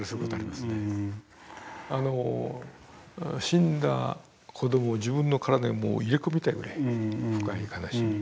死んだ子どもを自分の体に入れ込みたいぐらい深い悲しみ。